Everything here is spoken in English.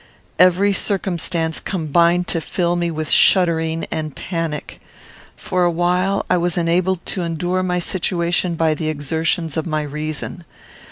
Every circumstance combined to fill me with shuddering and panic. For a while, I was enabled to endure my situation by the exertions of my reason.